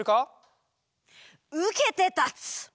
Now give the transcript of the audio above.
うけてたつ！